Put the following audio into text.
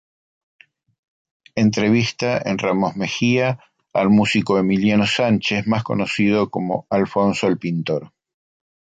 Entrevista en Ramos Mejía al músico Emiliano Sánchez más conocido como "Alfonso El Pintor".